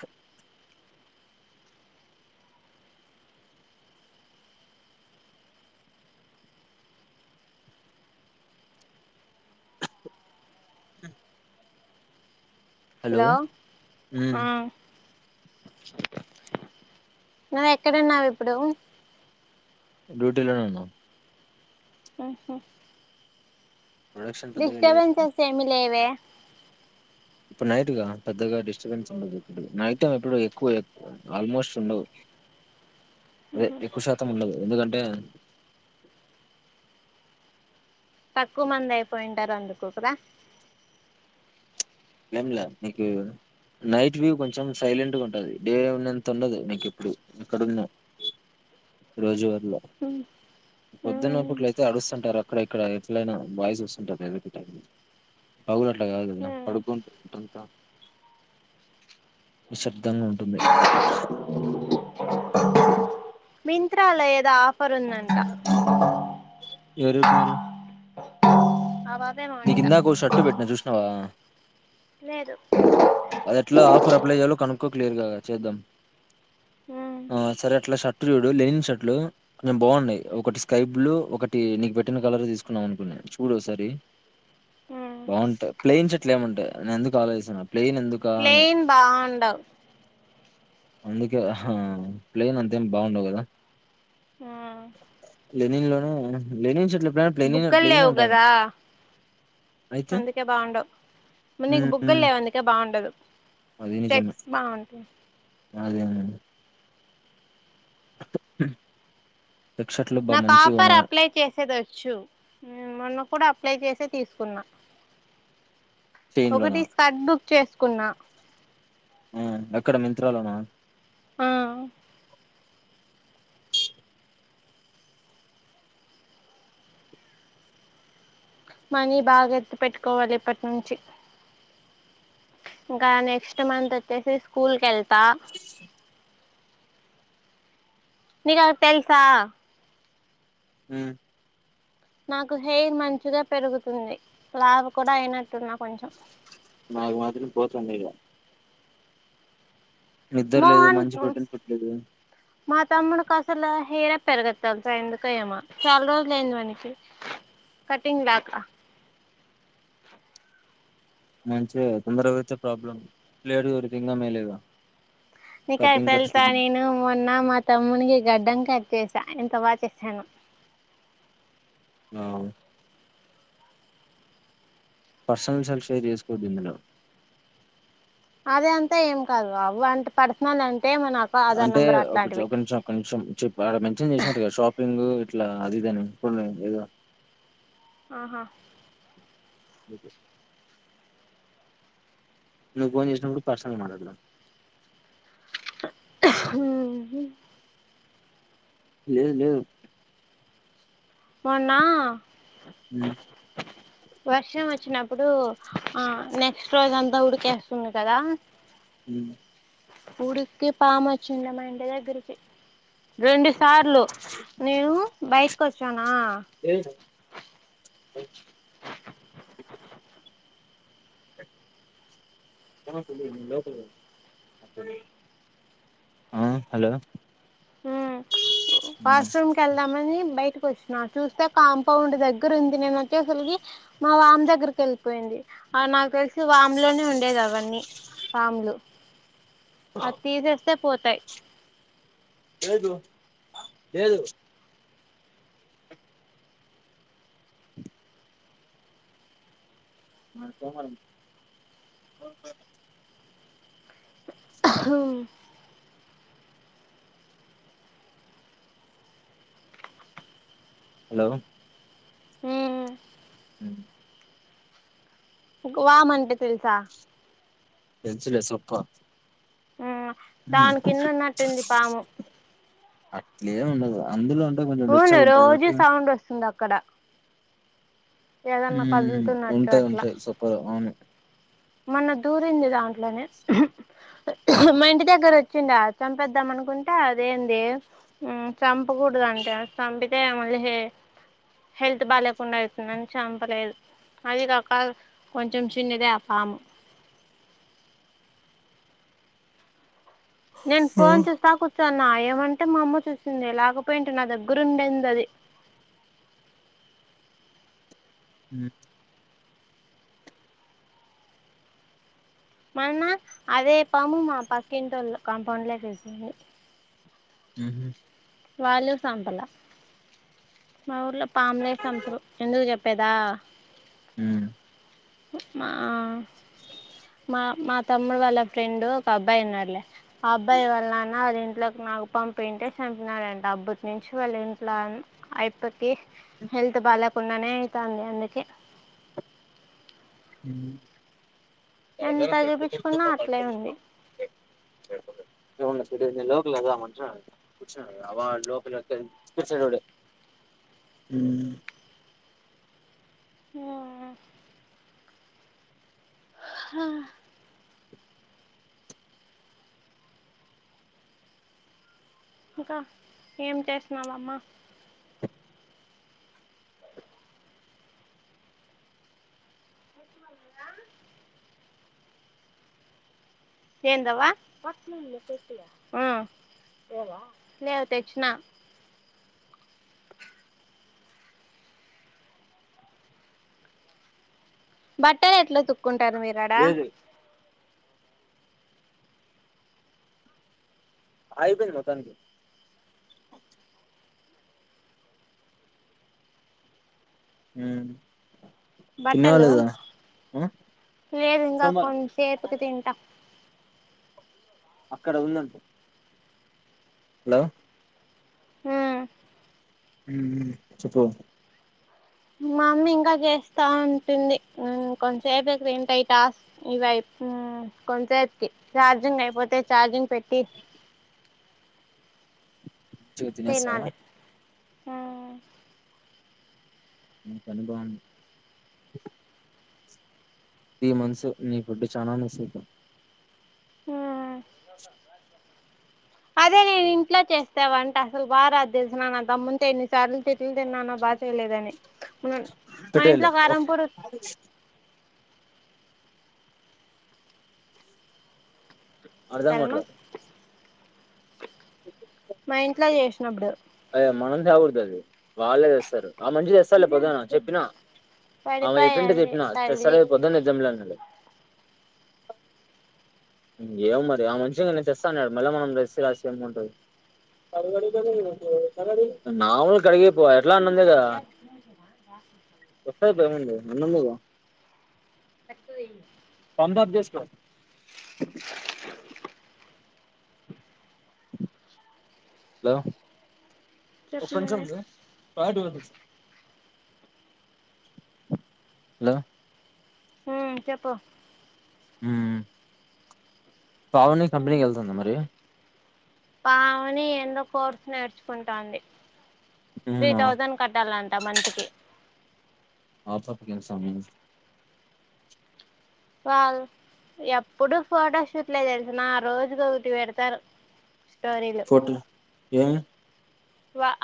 హు చె [unintelligible] హలో ఉమ్ హామ్ నువ్వు ఎక్కడ ఉన్నావు ఇప్పుడు డ్యూటీలోనే ఉన్నాం ఉమ్ ఆహా ప్రొడక్షన్ పెద్దగా లేదు డిస్టర్బెన్స్ ఏమీ లేవే ఇప్పుడు నైట్గా పెద్దగా డిస్టర్బెన్స్ ఉండదు ఇప్పు నైట్ టైమ్ ఎప్పుడు ఎక్కువ ఆల్మోస్ట్ ఉండదు అదే ఎక్కువ శాతం ఉండదు ఎందుకంటే తక్కువ మంది అయిపోయింటారు అందుకు కదా ఏంలా నీకు నైట్ వ్యూ కొంచెం సైలెంట్గా ఉంటది డే ఉన్నంత ఉండదు నీకు ఇప్పుడు ఇక్కడున్న రోజువారిలో పొద్దున్నపూట్ల అయితే అడుస్తుంటారు అక్కడ ఇక్కడ ఎట్లైనా వాయిస్ వస్తుంటాది ఎందు పగులు అట్లా కాదు కదా పడుకుంటుందంతనిశ్శబ్దంగా ఉంటుంది పడుకుంటుందంట మింత్రాలేదా పని ఉందంట ఎవరు చెప్పినారు అదే నీకు మౌనిక ఇందాక ఓ షర్ట్ పెట్టినా చూసినావా లేదు అది ఎట్లా ఆఫర్ అప్లై చేయాలో కనుక్కో క్లియర్ గా చేద్దాం సరే అట్లా ష. లెనిన్ షర్ట్లు కొంచెం [unintelligible] బాగున్నాయి ఒకటి స్కై బ్లూ ఒకటి నీకు పెట్టిన కలర్ తీసుకున్నాం అనుకున్నాను చూడసారి బాగుంటా ప్లెయిన్ చె ఇట్లే ఉంటే నేనెందుకు ఆలోచిస్తున్నాను ప్లైన్ బాగుండవు అందుకే హ ప్లేన్ అంతేం బాగుండవు కదా ఆ ప్లైన్ లోనేెనిన్ చెట్ బుగ్గలు లేవు కదా అయితే అందుకే బాగుండవు నీకు ఉమ్ బుగ్గలు ఉమ్ లేవు అందుకే బాగుం లేదు అది నిజమే చెక్స్ బాగుంటాది అ [unintelligible] నాకు ఆఫర్ అప్లై చేసేది వచ్చు మొన్న కూడా అప్లై చేసే తీసుకున్నా చైన్ లోనా ఒకటి స్క చేసుకున్నా ఆ ఎక్కడ మింత్రాలోనా ఆ మనీ బాగా ఎత్తు పెట్టుకోవాలి ఇప్పటి నుంచి ఇంకా నెక్స్ట్ మంత్ వచ్చేసి స్కూల్ క కెళ్త నీకోటి తెలుసా హ్మ్ నాకు హెయిర్ మంచిగా పెరుగుతుంది లావ్ కూడా అయినట్టున్నా కొంచెం నాగ్ మాత్రం పోతాంది ఇగా నిద్ర లేదు మోహన్ మంచి కు ప్రోటీన్ ఫుడ్ లేదు మా తమ్ముని అ అసలు హెయిర్ పెరగదు తెల్సా ఎందుకో ఏమో చాలా రోజులు అయింది వానికి కటింగ్ లేకా మంచిదిగా తొందరగాతే ప్రాబ్లమ్ లేటు పెరిగితే ఇంగ మేలేగా నికెల్ కటింగ్ ఖర్చు తెల్సా నీను మొన్న మా తమ్మునికి గడ్డం కట్చే చ ఎంత బాగా చేసాను ఆ పర్సనల్ సెల్ఫి తిసుకోండి ఇందులో అదే అంతా ఏం కాదు అవంటే పర్సనల్ అం అంటే ఒక నిమిషం ఒక నిమిషం అక్కడ మెన్షన్ చేసినారు కదా షాపింగ్ అట్లా అదిదని పుల్ల ఏదో ఆహా మీట్ నువ్వు ఫోన్ చేసినప్పుడు పర్సనల్ మాట్లాడతావు ఆ లేదు లేదు మొన్నా హ్మ్ వర్షం వచ్చినప్పుడు ఆ నెక్స్ట్ రోజాంతా ఉడికేస్తుంది కదా హ్మ్ ఉడుక్కి పామ వచ్చిందే మా ఇంటి దగ్గరకి రెండ్ సార్లు నేను బైటకి వచ్చానా ఆ హలో ఆ వాష్రూమ్ కేళ్దామని బయట వచ్చినా చూస్తే కాంపౌండ్ దగ్గర ఉంది నేను వచ్చేసరికి మా వామి దగ్గరకి వెళ్ళిపోయింది ఆ నా కలిసి వాములోనే ఉండేది అవన్నీ పాములు అదితిసేస్తే పోతాయి ఏదు ఏదు మకు మ హ హలో హుం నీకు వామంటే తెలుసా తెంచలే సప్ప దాని కింద ఉన్నట్టుంది పాము ఏమి ఉండదు అందులో కొంచెం అవును వెచ్చగా ఉంటాయి రోజు కాబట్టి సౌండ్ వస్తుంది అక్కడ ఊ ఏదన్నా కదులుతున్నట్టు ఉంటాయి అట్లా ఉంటాయి సూపర్ అవును మొన్న దూరింది దాంట్లోనే మా ఇంటి దగ్గర వచ్చింది మొన్న దూరింది దంట్లోనే మా ఇంటి దగ్గర వచుండే చంపేద్దాం అనుకుంటే అదేంది చంపకూడదు అంటే చంపితే మళ్ళీ హెల్త్ బాగా లేకుండా అవుతుందిని చంపలేదు అది కాక కొంచెం చిన్నదే అ పాము నేను ఫోన్ చూస్తా కూర్చున్న అంటే మా అమ్మ చూసింది లేకపోయింట నా దగ్గర ఉండేంది అది హుమ్ మొన్న అదే పాము మా పక్కింటోల్ల కాంపౌండ్ లోకి వస్తుంది హుహుమ్ వాళ్ళు సంపల మా ఊర్లో పాములే సంపరు ఎందుకు చెప్పేదా మ్మ్ మా మా మా తమ్ముడు వాళ్ళ ఫ్రెండ్ ఒక అబ్బాయి ఉన్నాడు లే ఆ అబ్బాయి వాళ్ళ నాన్న వాళ్ళ ఇంట్లోకి నాగుపాము పోయి ఉంటే చంపినాడంట అప్పటినుంచి వాళ్ళింట్లో అబ్బాయికి హెల్త్ బాలేకుంటనే ఐతాంది అందుకే హుమ్ ఎంత చూపించుకున్నా అట్లే ఉంది ఏన్నా లోకల్ద మ కూర్చు అ లోకల్ కూర్చ ఆ హా ఇంకా ఏం చేసినావమ్మా రా ఏందవా లేవు తెచ్చినా బట్టలు ఎట్లా ఉతుకుతావ్ ఒకుంటారు మీరాడా లేదు ఆగిపోయింది మొత్తానికి హుమ్ బట్టలు లేదు ఇంకా సోమవారం కొంసేపుకి తింటా అక్కడ ఉందంట హలో హుమ్ ఊ ఊ చెప్పు మామ్మీ ఇంకా చేస్తా ఉంటుంది కొంతసేపు క వింటా ఈ టాస్క్ ఇవైపు కొంతసేపుకీ చార్జింగ్ అయిపోతే చార్జింగ్ పెట్టి [unintelligible] తినేసావా ఆ నీకు అనుభవం త్రీ మంత్స్ నీ గుడ్డు చాలా మిస్సైతం ఉ అదే నేను ఇంట్లో చేస్తావంటే అసలు బారాదు తెలిసినా మా తమ్మునితో ఎన్ని సార్లు తిట్లు తిన్నానో బా చేయలేదని న మా పెట్టేయలే ఇంట్లో ఓ, కారం పొడి అర్థం తాలమా కావట్లే మై ఇట్లా చేసినప్పుడు అయ మనల్ని సావగొడుతది వాళ్ళే తెస్తారు ఆమె మంచి తెస్తారు లే పొద్దున చెప్పినా ఆమె చెప్పింటే పడిపోయాది చెప్పినా తగిలి తెస్తార పొద్దున్న ఎజమ్లే అన్నాలే ఇంకేం మరి ఆ మంచిగా నేను తెస్తాను మళ్ళా మనం రస్ రాసి ఏమ ఉంటది నాములు కడిగ ఇ ఎట్లా అన్నందిద వస్తంది పో ఏముండి అన్నమిగ [unintelligible] హలో ఒక్క చెప్పు నిమిషం [unintelligible] హలో హు చెప్పు ఊ పావని కంపెనీకి వెళ్తుందా మరి పావని ఎందో కోర్సు నేర్చుకుంటాంది త్రీ మ్మ్ ఆ తౌసేండ్ కట్టాల అంట టమంతికి [unintelligible] వాల్ ఎప్పుడు ఫోటోషూట్లే తెలిసిన ఆ రోజుకి ఒకటి పెడతారు స్టోరీలు ఫోటో ఏమి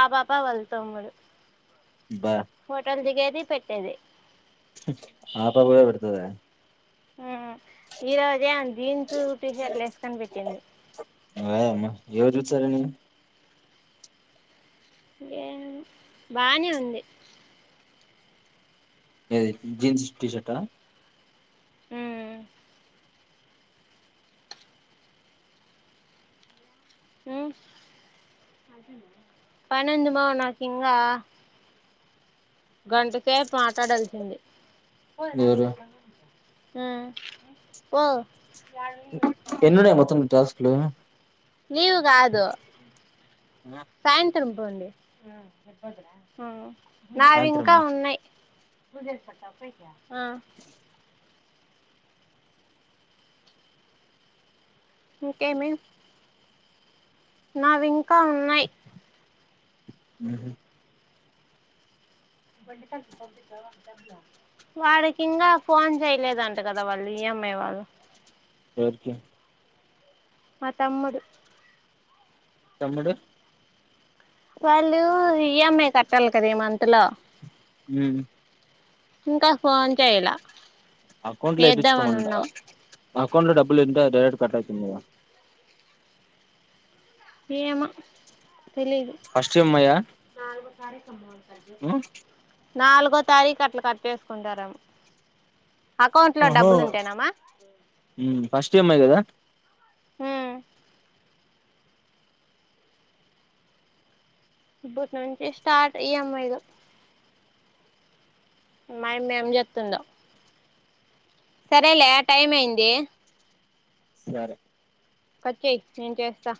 ఆ పాప వాళ్ళ తమ్ముడు బా హోటల్ దిగే మ పెట్టేది హు పాప కూడా పెడతదాయే ఉ ఈరోజే జీన్స్ టీషర్ట్లు వేసుకోని పెట్టింది య అమ్మా ఎవరు చూసారనీ యేం బానే ఉంది ఏది జీన్స్ టీషర్ట ఉమ్ ఉ పనుంది మామ నాకు ఇంగ గంటసేపు మాట్లాడాల్సింది పోద ఎవరు నాప్ప హ్మ్ పో ఎన్నున్నాయి మొత్తం టాస్క్లు నీవు కాదు. సాయంత్రం పోండి నావి ఇంకా సాయంత్రమా ఉన్నాయి గుజర్ పట్టాప్పయి క అ ఇంకేమి నావి ఇంకా ఉన్నాయ్ ఆ వాడికి ఇంకా ఫోన్ చేయలేదంట కదా వాళ్ళు ఈ ఎం ఐ వాళ్ళు ఎవరికి మా తమ్ముడు తమ్ముడు వాళ్ళు ఈ ఈ ఎం ఐ కట్టాలి కదా ఈ మంత్లో హ్మ్ ఇంకా ఫోన్ చేయలా అకౌంట్ లో వేద్దామని వేయించుకోమంట ఉన్నాం అకౌంట్ లో డబ్బులు ఏంట డైరెట్ కట్టయితున్నాయ ఏమొ తెలీదు సారే సమం మ్ నాలుగో తారీఖు అట్లా కట్టేసుకుంటార ఆహా హ్మ్ ఫస్ట్ ఇ ఎం ఐ గదా హ్మ్ ఇప్పటి నుంచి స్టార్ట్ ఇ ఎం ఐ లు మాయమ్మ ఎం చెస్తుందో సరేలే టైం అయింది సరే కట్ చెయ్ నేను చేస్తా